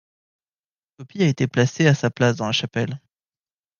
Une copie a été placée à sa place dans la chapelle.